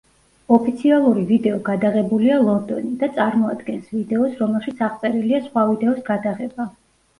ოფიციალური ვიდეო გადაღებულია ლონდონი და წარმოადგენს ვიდეოს, რომელშიც აღწერილია სხვა ვიდეოს გადაღება.